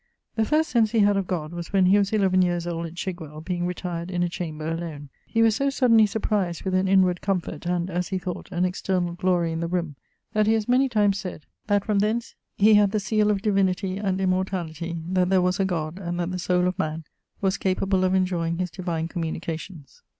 The first sense he had of God was when he was 11 yeares old at Chigwell, being retired in a chamber alone. He was so suddenly surprized with an inward comfort and (as he thought) an externall glory in the roome that he has many times sayd that from thence he had the seale of divinity and immortality, that there was a God and that the soule of man was capable of enjoying his divine communications.